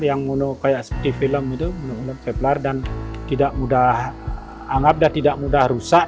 yang seperti film itu dan tidak mudah anggap dan tidak mudah rusak